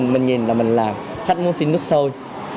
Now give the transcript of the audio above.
mình nhìn là mình là khách muốn xin nước sôi